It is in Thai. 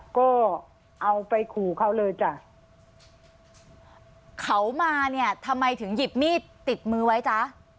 ก็เอาไปขู่เขาเลยจ้ะเขามาเนี่ยทำไมถึงหยิบมีดติดมือไว้จ๊ะ